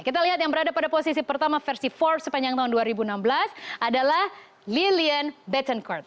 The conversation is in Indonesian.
kita lihat yang berada pada posisi pertama versi empat sepanjang tahun dua ribu enam belas adalah lillian bettencourt